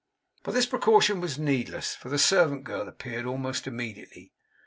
But this precaution was needless, for the servant girl appeared almost immediately.